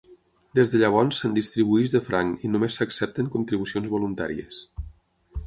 Des de llavors se'n distribueix de franc i només s'accepten contribucions voluntàries.